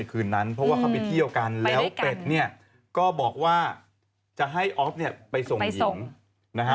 คืนนั้นเพราะว่าเขาไปเที่ยวกันแล้วเป็ดเนี่ยก็บอกว่าจะให้ออฟเนี่ยไปส่งหญิงนะฮะ